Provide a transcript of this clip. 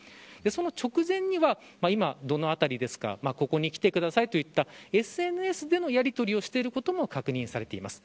その直前には、今どの辺りですかここに来てくださいといったＳＮＳでのやりとりをしていることも確認されています。